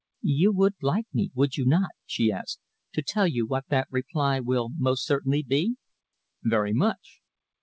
"You would like me, would you not," she asked, "to tell you what that reply will most certainly be?" "Very much!"